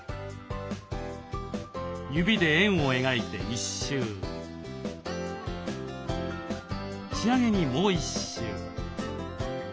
指で円を描いて１周仕上げにもう１周。